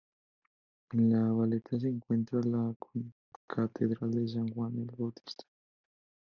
En La Valeta se encuentra la concatedral de San Juan el Bautista.